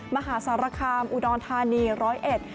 มหาสารคามอุดรธานีร้อยเอ็ด